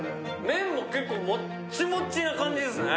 麺も、結構もっちもちな感じですね。